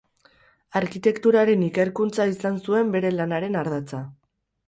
Arkitekturaren ikerkuntza izan zuen bere lanaren ardatza.